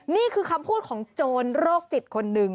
นี่คือคำพูดของโจรโรคจิตคนหนึ่ง